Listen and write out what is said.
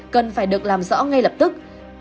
cần phải được làm rõ ngay lập tức